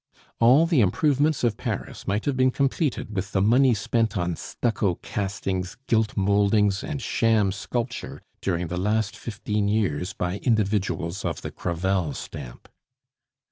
All the improvements of Paris might have been completed with the money spent on stucco castings, gilt mouldings, and sham sculpture during the last fifteen years by individuals of the Crevel stamp.